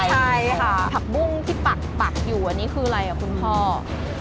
ใช่ค่ะผักบุ้งที่ปักอยู่อันนี้คืออะไรอ่ะคุณพ่อ